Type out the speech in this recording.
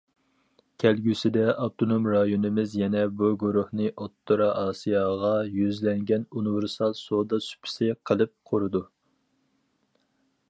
كەلگۈسىدە ئاپتونوم رايونىمىز يەنە بۇ گۇرۇھنى ئوتتۇرا ئاسىياغا يۈزلەنگەن ئۇنىۋېرسال سودا سۇپىسى قىلىپ قۇرىدۇ.